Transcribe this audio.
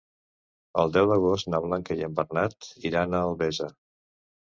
El deu d'agost na Blanca i en Bernat iran a Albesa.